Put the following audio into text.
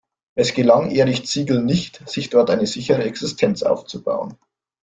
Es gelang Erich Ziegel nicht, sich dort eine sichere Existenz aufzubauen.